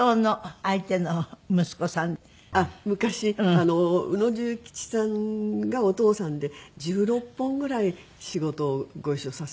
昔宇野重吉さんがお父さんで１６本ぐらい仕事をご一緒させていただいて。